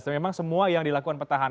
memang semua yang dilakukan petahana